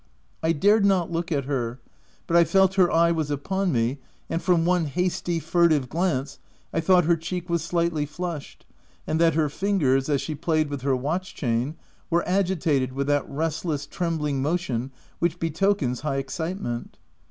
I dared not look at her, but I felt her eye was upon me, and from one hasty, furtive glance, I thought her cheek was slightly flushed, and that her fingers, as she played with her watch chain, were agitated with that restless, trembling mo tion which betokens high excitement.